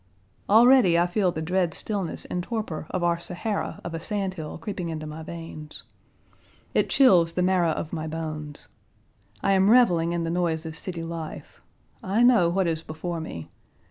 Already I feel the dread stillness and torpor of our Sahara of a Sand Hill creeping into my veins. It chills the marrow of my bones. I am reveling in the noise of city life. I know what is before me.